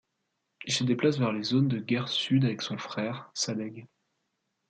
Il se déplace vers les zones de guerre sud avec son frère, Sadegh.